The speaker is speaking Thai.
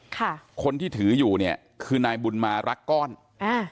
ค่ะคนที่ถืออยู่เนี่ยคือนายบุญมารักก้อนอ่า